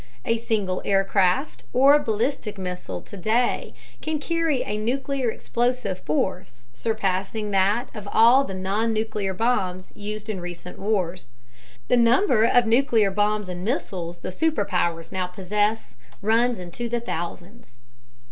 A single aircraft or ballistic missile today can carry a nuclear explosive force surpassing that of all the non nuclear bombs used in recent wars. The number of nuclear bombs and missiles the superpowers now possess runs into the thousands.